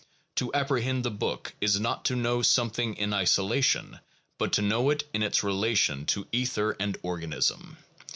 To apprehend the book is not to know something in isolation, but to know it in its relation to ether and organism.